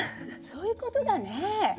そういうことだねえ。